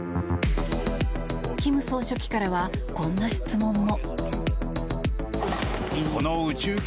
金総書記からはこんな質問も。